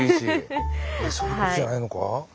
そういうことじゃないのか？